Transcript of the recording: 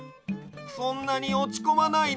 そんなにおちこまないで。